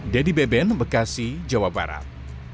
dedy beben bekasi jawa barat